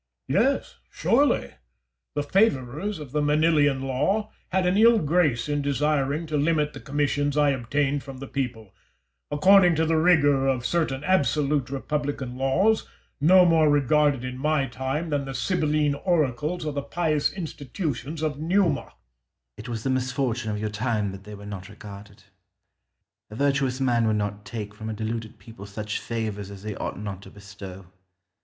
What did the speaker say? Caesar. Yes, surely. The favourers of the Manilian law had an ill grace in desiring to limit the commissions I obtained from the people, according to the rigour of certain absolute republican laws, no more regarded in my time than the Sybilline oracles or the pious institutions of Numa. Scipio. It was the misfortune of your time that they were not regarded. A virtuous man would not take from a deluded people such favours as they ought not to bestow.